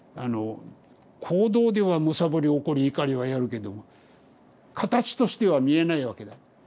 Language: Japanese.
行動ではむさぼりおこりいかりはやるけども形としては見えないわけだ。